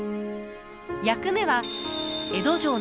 役目は江戸城の警護。